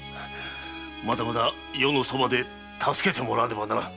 まだまだ余のそばで助けてもらわねばならん。